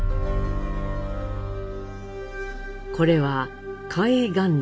これは嘉永元年